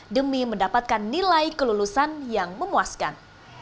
demi mendapatkan nilai kelulusan yang memuaskan